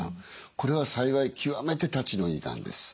これは幸い極めてたちのいいがんです。